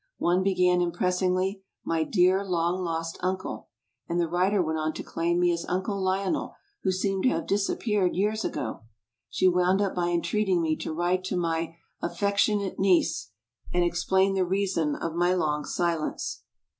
One began impressingly, "My dear long lost uncle," and the writer went on to claim me as Uncle Lionel, who seemed to have disappeared years ago. She wound up by entreating me to write to my "affectionate niece" and explain the reason of my long silence.